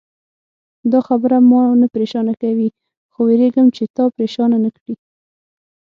دا خبره ما نه پرېشانه کوي، خو وېرېږم چې تا پرېشانه نه کړي.